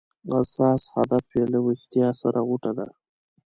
اساس هدف یې له ویښتیا سره غوټه ده.